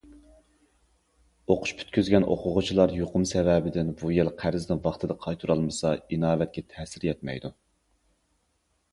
ئوقۇش پۈتكۈزگەن ئوقۇغۇچىلار يۇقۇم سەۋەبىدىن بۇ يىل قەرزنى ۋاقتىدا قايتۇرالمىسا، ئىناۋەتكە تەسىر يەتمەيدۇ.